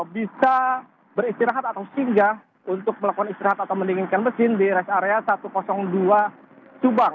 bisa beristirahat atau singgah untuk melakukan istirahat atau mendinginkan mesin di rest area satu ratus dua subang